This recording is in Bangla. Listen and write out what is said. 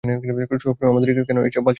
সবসময় আমাদের-ই কেন এই বালছাল খুলতে হয়?